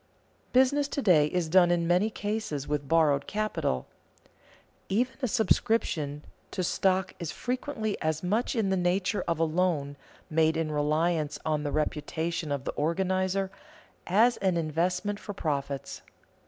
_ Business to day is done in many cases with borrowed capital. Even a subscription to stock is frequently as much in the nature of a loan, made in reliance on the reputation of the organizer, as an investment for profits.